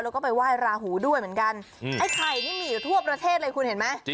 แล้วก็ไปไหว้ราหูด้วยเหมือนกันไอ้ไข่นี่มีอยู่ทั่วประเทศเลยคุณเห็นไหม